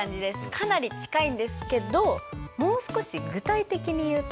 かなり近いんですけどもう少し具体的に言うと？